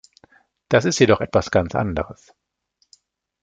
Das ist jedoch etwas ganz anderes.